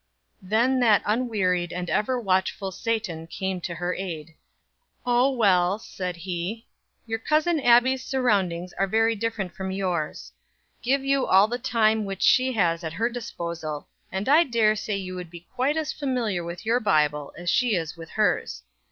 Then that unwearied and ever watchful Satan came to her aid. "Oh, well," said he, "your Cousin Abbie's surroundings are very different from yours. Give you all the time which she has at her disposal, and I dare say you would be quite as familiar with your Bible as she is with hers.